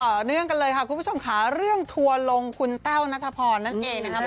ต่อเนื่องกันเลยค่ะคุณผู้ชมค่ะเรื่องทัวร์ลงคุณแต้วนัทพรนั่นเองนะครับ